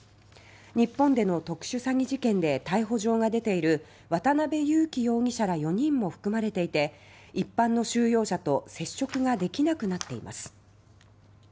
日本での特殊詐欺事件で逮捕状が出ている渡辺優樹容疑者ら４人も含まれていて一般の収容者と接触ができなくなっています。